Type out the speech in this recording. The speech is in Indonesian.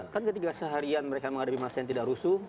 kan ketika seharian mereka menghadapi masa yang tidak rusuh